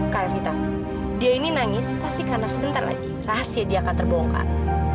kak evita dia ini nangis pasti karena sebentar lagi rahasia dia akan terbongkar